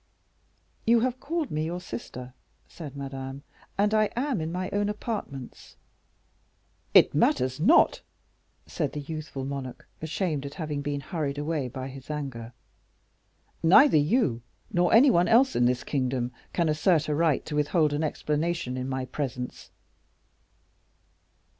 "You have called me your sister," said Madame, "and I am in my own apartments." "It matters not," said the youthful monarch, ashamed at having been hurried away by his anger; "neither you, nor any one else in this kingdom, can assert a right to withhold an explanation in my presence."